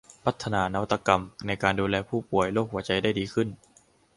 พัฒนานวัตกรรมในการดูแลผู้ป่วยโรคหัวใจได้ดีขึ้น